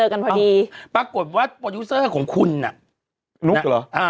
กันพอดีปรากฏว่าโปรดิวเซอร์ของคุณอ่ะนุกเหรออ่า